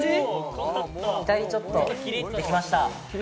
左ちょっとできました。